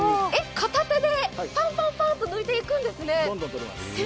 片手でぱっぱっと抜いていくんですね。